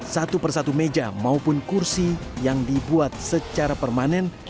satu persatu meja maupun kursi yang dibuat secara permanen